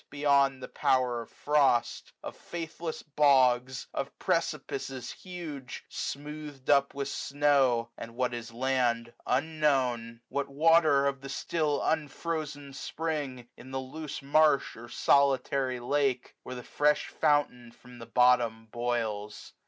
beyond the power of frost ; Of faithless bogs ; of precipices huge, 30a Smoothed up with snow; and, what is land, unknown^ WINTER. 187 What water, of the still unfrozen spring, Iq the loose marsh or solitary lake. Where the fresh fountain from the bottom boils.